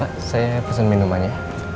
pak saya pesen minuman ya